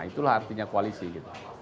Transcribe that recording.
itulah artinya koalisi gitu